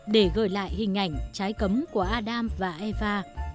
để gửi lại hình ảnh trái cấm của adam và eva